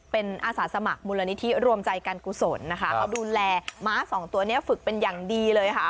เป็นอาสาสมัครมูลนิธิรวมใจการกุศลนะคะเขาดูแลม้าสองตัวนี้ฝึกเป็นอย่างดีเลยค่ะ